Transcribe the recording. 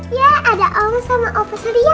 iya ada om sama opa surya